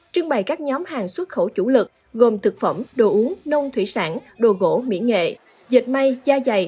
trưng bày các nhóm hàng xuất khẩu chủ lực gồm thực phẩm đồ uống nông thủy sản đồ gỗ mỹ nghệ dịch may da dày